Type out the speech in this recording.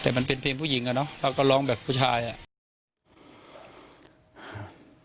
แต่มันเป็นเพลงผู้หญิงอ่ะเนอะเราก็ร้องแบบผู้ชายอ่ะ